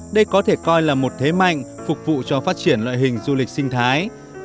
đây có thể coi là một thế mạnh phục vụ cho phát triển loại hình du lịch sinh thái